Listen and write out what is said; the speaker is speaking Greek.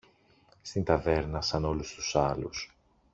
Στην ταβέρνα, σαν όλους τους άλλους.